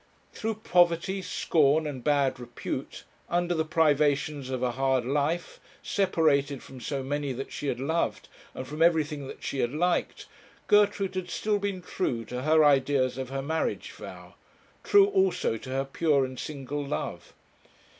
Through poverty, scorn, and bad repute, under the privations of a hard life, separated from so many that she had loved, and from everything that she had liked, Gertrude had still been true to her ideas of her marriage vow; true, also, to her pure and single love.